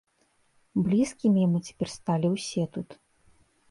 Блізкімі яму цяпер сталі ўсе тут.